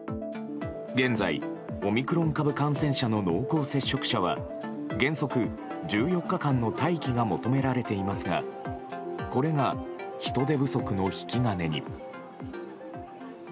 現在、オミクロン株感染者の濃厚接触者は原則１４日間の待機が求められていますがこれが人手不足の引き金に。